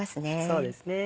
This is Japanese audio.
そうですね。